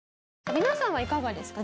皆さんはいかがですか？